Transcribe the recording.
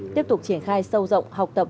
tiếp tục triển khai sâu rộng học tập